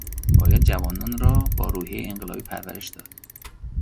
باید جوانان را با روحیهٔ انقلابی پرورش داد.